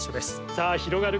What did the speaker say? さあ広がる